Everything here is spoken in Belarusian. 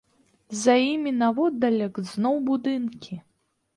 За імі, наводдалек, зноў будынкі.